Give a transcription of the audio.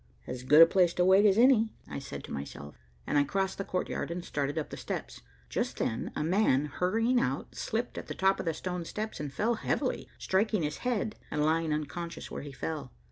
"As good a place to wait as any," I said to myself, and I crossed the courtyard and started up the steps. Just then a man, hurrying out, slipped at the top of the stone steps and fell heavily, striking his head and lying unconscious where he fell.